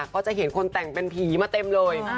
ก็จะเห็นคนแต่งเป็นผีมาเต็มเลย